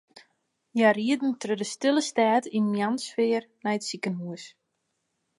Hja rieden troch de stille stêd yn moarnssfear nei it sikehûs.